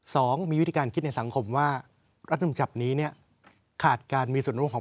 สองมีวิธีการคิดในสังคมว่ารัฐมนุนฉบับนี้เนี่ยขาดการมีส่วนร่วมของ